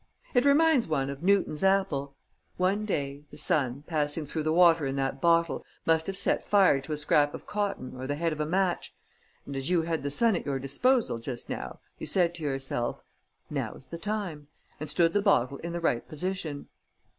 It reminds one of Newton's apple.... One day, the sun, passing through the water in that bottle, must have set fire to a scrap of cotton or the head of a match; and, as you had the sun at your disposal just now, you said to yourself, 'Now's the time,' and stood the bottle in the right position.